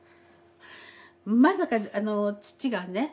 まさか父がね